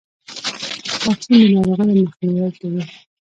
واکسین د ناروغیو مخنیوی کوي.